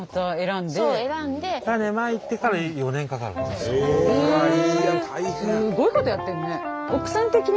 すごいことやってるね。